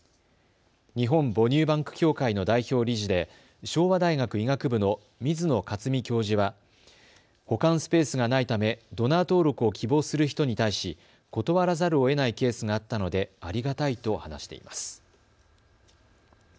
日本母乳バンク協会の代表理事で昭和大学医学部の水野克己教授は保管スペースがないため、ドナー登録を希望する人に対し、断らざるをえないケースがあったのでありがたいと話しています。